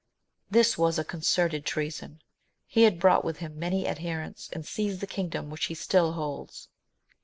This was a concerted treason ; he had brought with him many adherents, and seized the kingdom which he still holds.